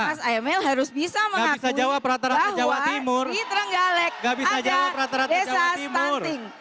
mas emil harus bisa mengakui bahwa di trenggalek ada desa stunting